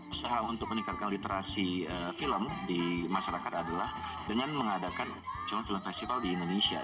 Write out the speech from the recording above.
usaha untuk meningkatkan literasi film di masyarakat adalah dengan mengadakan cuma film festival di indonesia